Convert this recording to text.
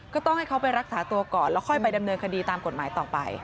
ก็ต้องให้เขาไปรักษาตัวก่อนแล้วค่อยไปดำเนินคดีตามกฎหมายต่อไป